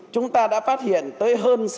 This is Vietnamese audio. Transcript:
chúng ta đã phát hiện tới hơn